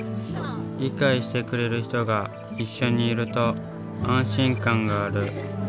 理解してくれる人が一緒にいると安心感がある。